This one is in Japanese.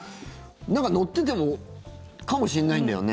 なんか載っててもかもしれないんだよね？